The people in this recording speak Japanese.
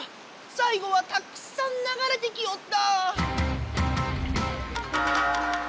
さいごはたくさんながれてきおった！